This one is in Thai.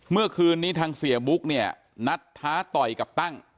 เมื่อคืนนี้ทางเสียบุ๊กเนี่ยนัดท้าต่อยกับตั้ง